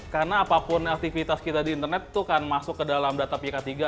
karena apapun aktivitas kita di internet tuh kan masuk ke dalam data pihak ketiga